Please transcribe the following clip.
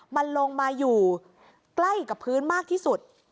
มันลงมาอยู่ใกล้กับพื้นมากที่สุด